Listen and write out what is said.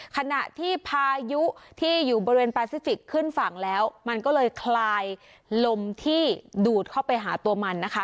ขณะที่พายุที่อยู่บริเวณแปซิฟิกขึ้นฝั่งแล้วมันก็เลยคลายลมที่ดูดเข้าไปหาตัวมันนะคะ